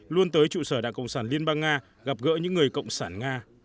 luôn tới trụ sở đảng cộng sản liên bang nga gặp gỡ những người cộng sản nga